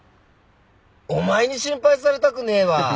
お前に心配されたくねえわ！